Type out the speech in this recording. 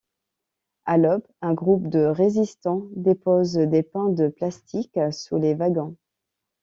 À l’aube, un groupe de résistants déposent des pains de plastic sous les wagons.